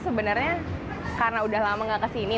sebenarnya karena udah lama gak kesini